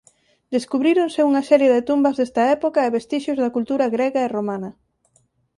Descubríronse unha serie de tumbas desta época e vestixios da cultura grega e romana.